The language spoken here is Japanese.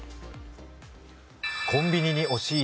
コンビニに押し入り